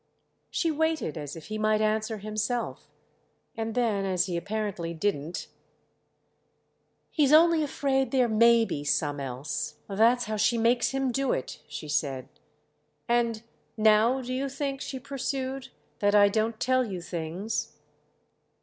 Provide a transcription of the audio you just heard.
She waited as if he might answer himself, and then as he apparently didn't, "He's only afraid there may be some else—that's how she makes him do it," she said. And "Now do you think," she pursued, "that I don't tell you things?"